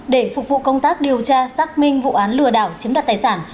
để phục vụ công tác điều tra xác minh vụ án lừa đảo chiếm đoạt tài sản